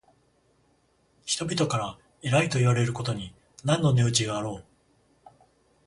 人々から偉いといわれることに何の値打ちがあろう。